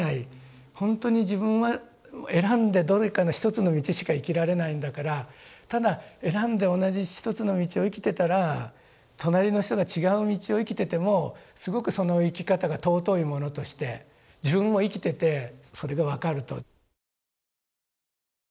ほんとに自分は選んでどれかの一つの道しか生きられないんだからただ選んで同じ一つの道を生きてたら隣の人が違う道を生きててもすごくその生き方が尊いものとして自分も生きててそれが分かると。